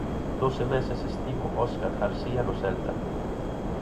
Doce meses estivo Óscar García no Celta.